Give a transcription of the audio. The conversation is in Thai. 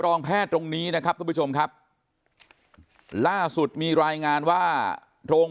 รองแพทย์ตรงนี้นะครับทุกผู้ชมครับล่าสุดมีรายงานว่าโรง